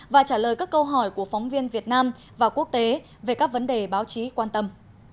và trả lời các câu hỏi của phóng viên việt nam và quốc tế về các vấn đề báo chí quan tâm